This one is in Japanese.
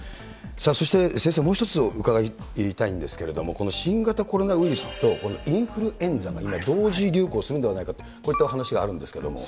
さあ、そして先生、もう一つ伺いたいんですけれども、この新型コロナウイルスとインフルエンザが今、同時流行するんではないかと、こういった話があるんですけれども。